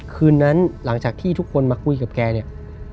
คืนนั้นหลังจากที่ทุกคนมาคุยกับแกเนี่ย